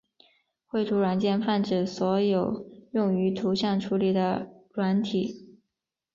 绘图软件泛指所有用于图像处理的软体。